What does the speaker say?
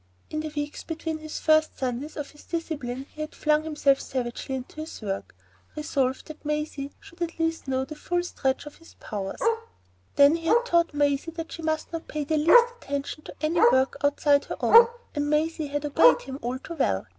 In the weeks between the first few Sundays of his discipline he had flung himself savagely into his work, resolved that Maisie should at least know the full stretch of his powers. Then he had taught Maisie that she must not pay the least attention to any work outside her own, and Maisie had obeyed him all too well.